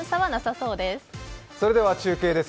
それでは中継です。